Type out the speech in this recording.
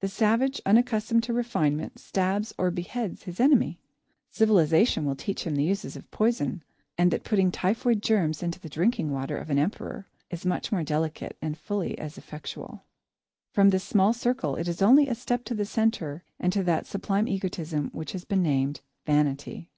The savage, unaccustomed to refinement, stabs or beheads his enemy. Civilisation will teach him the uses of poison, and that putting typhoid germs into the drinking water of an Emperor is much more delicate and fully as effectual. [Sidenote: The Sublime Egotism] From this small circle, it is only a step to the centre and to that sublime egotism which has been named Vanity.